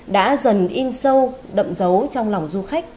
đã dần in sâu đậm dấu trong lòng du khách